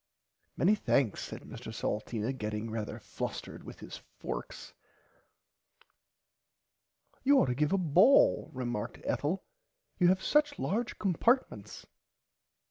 Many thanks said Mr Salteena getting rarther flustered with his forks. You ourght to give a ball remarked Ethel you have such large compartments.